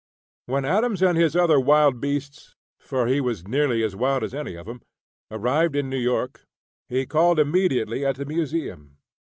When Adams and his other wild beasts (for he was nearly as wild as any of them) arrived in New York, he called immediately at the Museum.